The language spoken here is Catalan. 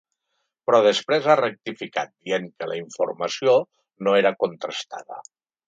Però després ha rectificat dient que la informació no era contrastada.